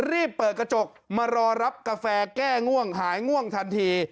รีบเปิดกระจกมารอรับกาแฟแก้ง่วงหายง่วงทันที